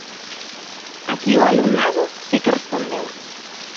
Aquí o alumnado si que respondeu.